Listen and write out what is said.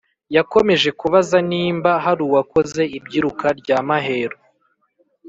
Yakomeje kubaza nimba haruwakoze ibyiruka ryamaheru